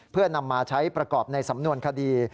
เพื่อนำมาใช้ประกอบในสำนวนคดี